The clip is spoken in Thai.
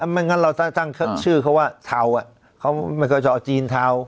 อันนั้นเราตั้งชื่อเขาว่าเทาไม่ค่อยชอบจีนเทา